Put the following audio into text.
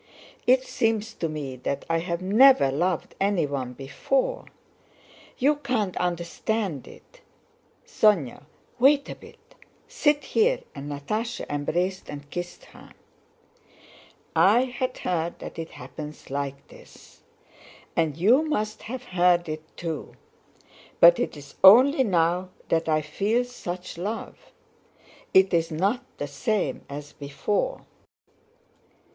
It seems to me that I have never loved anyone before. You can't understand it.... Sónya, wait a bit, sit here," and Natásha embraced and kissed her. "I had heard that it happens like this, and you must have heard it too, but it's only now that I feel such love. It's not the same as before.